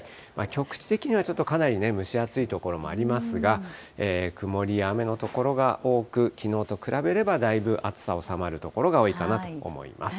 局地的にはちょっとかなり蒸し暑い所もありますが、曇りや雨の所が多く、きのうと比べればだいぶ暑さ、収まる所が多いかなと思います。